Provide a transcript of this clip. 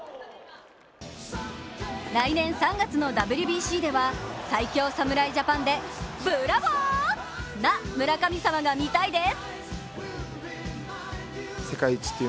来年３月のＷＢＣでは、最強侍ジャパンでブラボーな村神様が見たいです！